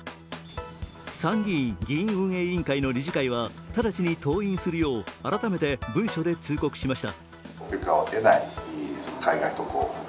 参議院・議院運営委員会の理事会は直ちに登院するよう改めて文書で通告しました。